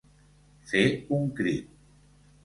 Fer un crit.